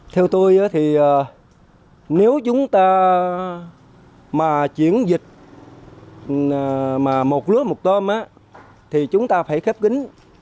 theo tôi thì nếu chúng ta mà chuyển dịch một lúa một tôm thì chúng ta phải khép kín